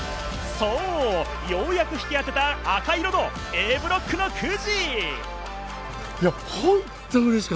そう、ようやく引き当てた赤色のＡブロックのくじ。